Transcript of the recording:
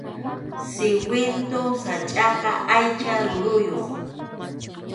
Sawintu sachʼaqa aycha ruruyuq